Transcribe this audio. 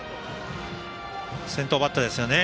先頭バッターですよね。